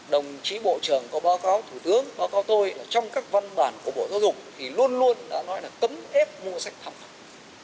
đồng chí bộ trưởng có báo cáo thủ tướng báo cáo tôi là trong các văn bản của bộ giáo dục thì luôn luôn đã nói là cấm ép mua sách thẳng thắc